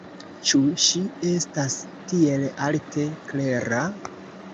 Ĉu ŝi estas tiel alte klera?